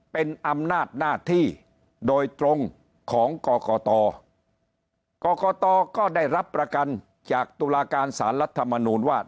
เป็นอำนาจหน้าที่โดยตรงของกรกตกรกตก็ได้รับประกันจากตุลาการสารรัฐมนูลว่า